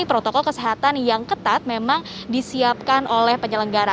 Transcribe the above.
protokol kesehatan yang ketat memang disiapkan oleh penyelenggara